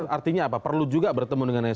artinya apa perlu juga bertemu dengan sb